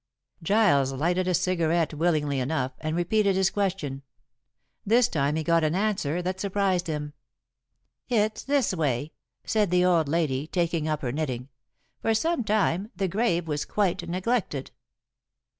Giles lighted a cigarette willingly enough, and repeated his question. This time he got an answer that surprised him. "It's this way," said the old lady, taking up her knitting, "for some time the grave was quite neglected."